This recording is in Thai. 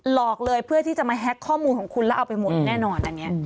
หลอกเลยเพื่อที่จะมาแฮ็กข้อมูลของคุณแล้วเอาไปหมดแน่นอนอันนี้